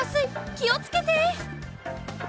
きをつけて！